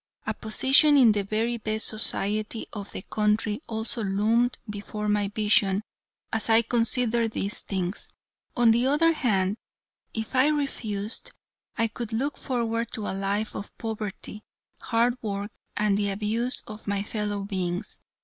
A position in the very best society of the country also loomed before my vision, as I considered these things. On the other hand, if I refused, I could look forward to a life of poverty, hard work, and the abuse of my fellow beings.